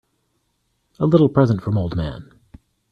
A little present from old man.